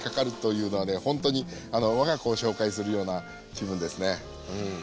ほんとに我が子を紹介するような気分ですねうん。